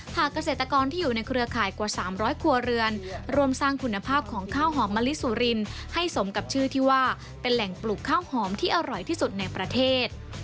เกษตรกรที่อยู่ในเครือข่ายกว่า๓๐๐ครัวเรือนร่วมสร้างคุณภาพของข้าวหอมมะลิสุรินให้สมกับชื่อที่ว่าเป็นแหล่งปลูกข้าวหอมที่อร่อยที่สุดในประเทศ